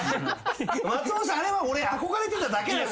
松本さんあれは俺憧れてただけだから。